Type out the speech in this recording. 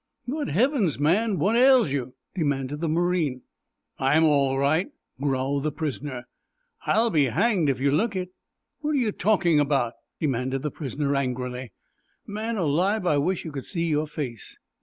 "Good heavens, man! What ails you?" demanded the marine. "I'm all right," growled the prisoner. "I'll be hanged if you look it." "What are you talking about!" demanded the prisoner angrily. "Man alive, I wish you could see your face!"